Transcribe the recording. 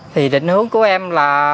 thì định hướng của em là